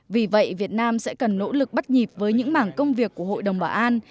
vì vậy việt nam sẽ cần nỗ lực bắt nhịp với những mảng công việc của hội đồng bảo an